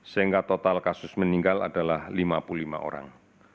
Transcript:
sehingga total kasus meninggal adalah lima puluh lima orang